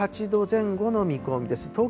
１８度前後の見込みです。